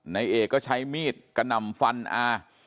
นายเอกก็ใช้มีดกระหน่ำฟันอา